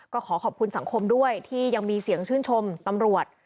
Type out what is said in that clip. ก็ขอขอบคุณสังคมด้วยที่ยังมีเสียงชื่นชมตำรวจ